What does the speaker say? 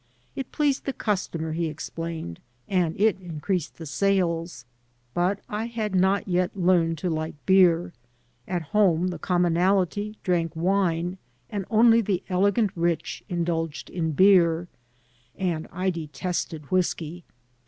It pleased the customer, he explained, and it increased the sales. But I had not yet learned to like beer — ^at home the commonalty drank wine and only the elegant rich indulged in beer — ^and I detested whisky.